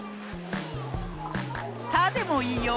「た」でもいいよ！